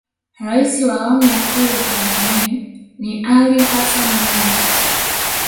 rais wa awamu ya pili wa tanzania ni alli hassan mwinyi